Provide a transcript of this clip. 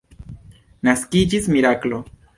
Naskiĝis miraklo.